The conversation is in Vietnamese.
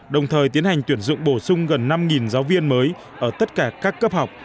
đồng thời tiến hành tuyển dụng bổ sung gần năm giáo viên mới ở tất cả các cấp học